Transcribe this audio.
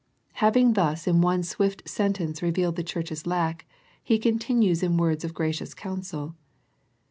Having thus in one swift sentence revealed the church's lack. He continues in words of gracious counsel.